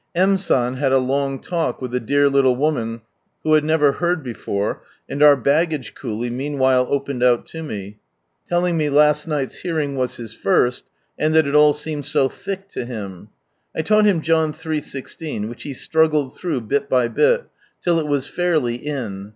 M. San had a long talk with a dear little woman who had never heard before, and our baggage coolie meanwhile opened out to me, telling me last night's hearing was his first, and that it all seemed so " thick " to him. I taught him John iii. i6, which he struggled through bit by bit, till it was fairly in.